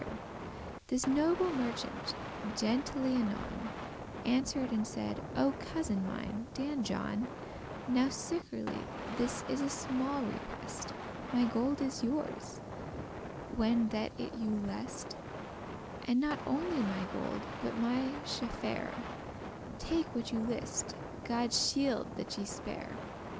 *great thanks* This noble merchant gentilly* anon *like a gentleman Answer'd and said, "O cousin mine, Dan John, Now sickerly this is a small request: My gold is youres, when that it you lest, And not only my gold, but my chaffare;* *merchandise Take what you list, *God shielde that ye spare.